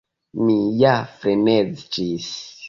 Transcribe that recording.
Mi ja freneziĝis.